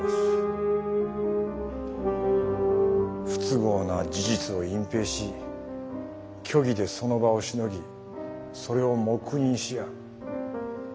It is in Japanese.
不都合な事実を隠蔽し虚偽でその場をしのぎそれを黙認し合う。